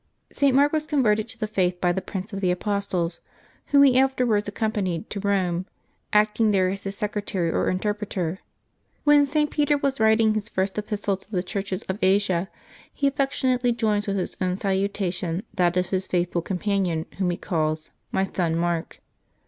[T. Mark was converted to the Faith by the Prince of the Apostles, whom he afterwards accompanied to Eome, acting there as his secretary or interpreter. When St. Peter was writing his first epistle to the churches of Asia, he affectionately joins with his own salutation that of his faithful companion, whom he calls " my son Mark."